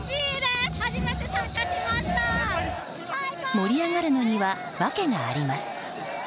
盛り上がるのには訳があります。